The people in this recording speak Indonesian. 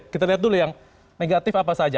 kita lihat dulu yang negatif apa saja